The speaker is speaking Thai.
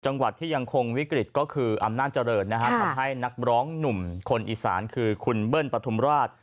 จังหวัดที่ยังคงวิกฤตก็คืออำนาจเจริญนะฮะทำให้นักร้องหนุ่มคนอีสานคือคุณเบิ้ลปฐุมราช